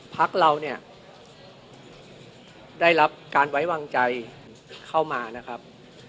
พักเราเนี่ยได้รับการไว้วางใจเข้ามานะครับ